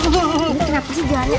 kenapa sih jalan